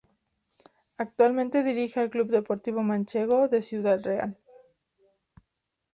Actualmente dirige al Club Deportivo Manchego, de Ciudad Real.